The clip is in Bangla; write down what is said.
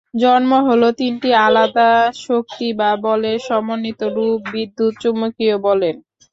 জন্ম হলো তিনটি আলাদা শক্তি বা বলের সমন্বিত রূপ বিদ্যুৎ–চুম্বকীয় বলের।